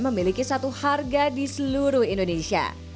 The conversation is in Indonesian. memiliki satu harga di seluruh indonesia